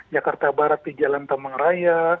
jakarta barat di jalan tamang raya